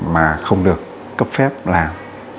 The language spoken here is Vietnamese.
mà không được cấp phép làm